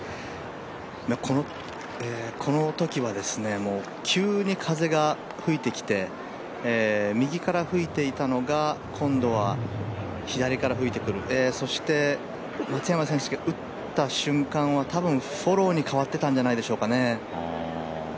このときは急に風が吹いてきて右から吹いていたのが今度は左から吹いてくる、そして松山選手が打った瞬間は、たぶんフォローに変わっていたんじゃないですかね。